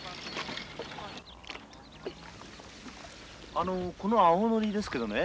あのこの青ノリですけどね